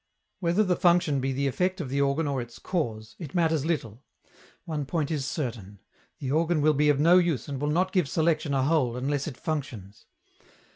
Whether the function be the effect of the organ or its cause, it matters little; one point is certain the organ will be of no use and will not give selection a hold unless it functions.